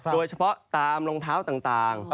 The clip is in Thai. โดยเฉพาะตามรองเท้าต่าง